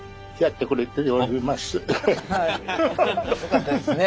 よかったですね。